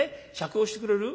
酌をしてくれる？